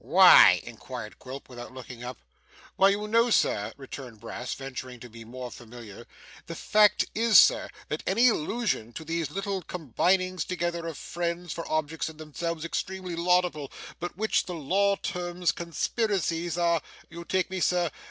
'Why?' inquired Quilp, without looking up. 'Why, you know, sir,' returned Brass, venturing to be more familiar: ' the fact is, sir, that any allusion to these little combinings together, of friends, for objects in themselves extremely laudable, but which the law terms conspiracies, are you take me, sir?